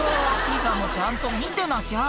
ピザもちゃんと見てなきゃ！」